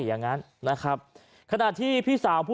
ยะงั้นนะครับ